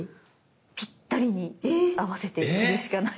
ぴったりに合わせて切るしかない。